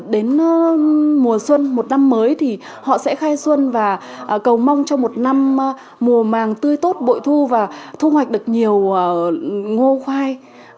đến mùa xuân một năm mới thì họ sẽ khai xuân và cầu mong cho một năm mùa màng tươi tốt bội thu và thu hoạch được nhiều ngô khoai